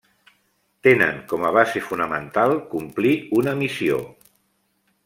Tenen com a base fonamental complir una missió.